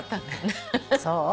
そう？